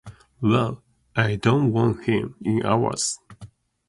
Well, I don't want him in ours.